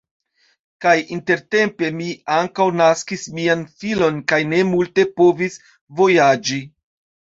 Kaj intertempe mi ankaŭ naskis mian filon kaj ne multe povis vojaĝi.